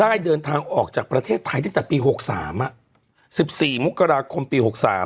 ได้เดินทางออกจากประเทศไทยตั้งแต่ปี๖๓๑๔มกราคมปี๖๓